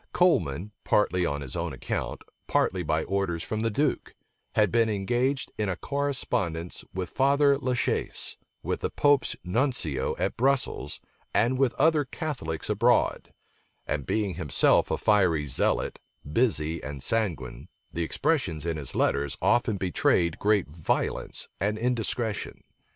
Coleman, partly on his own account, partly by orders from the duke, had been engaged in a correspondence with Father La Chaise, with the pope's nuncio at Brussels, and with other Catholics abroad; and being himself a fiery zealot, busy and sanguine, the expressions in his letters often betrayed great violence and indiscretion.